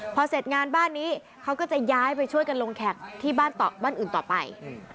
พอเสร็จงานบ้านนี้เขาก็จะย้ายไปช่วยกันลงแขกที่บ้านอื่นต่อไป